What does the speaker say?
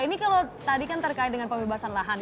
ini kalau tadi kan terkait dengan pembebasan lahan